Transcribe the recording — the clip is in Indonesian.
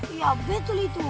iya betul itu